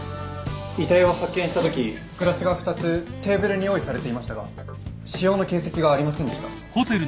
遺体を発見したときグラスが２つテーブルに用意されていましたが使用の形跡がありませんでした。